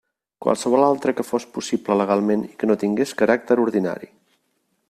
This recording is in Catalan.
Qualsevol altre que fos possible legalment i que no tingués caràcter ordinari.